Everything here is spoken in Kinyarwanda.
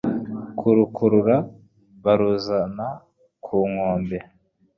kurukurura baruzana ku nkombe.